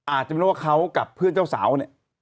อาจจะเป็นว่าเขากับเพื่อนเจ้าสาวเนี่ย